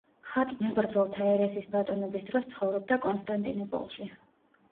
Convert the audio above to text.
ხატმებრძოლთა ერესის ბატონობის დროს ცხოვრობდა კონსტანტინეპოლში.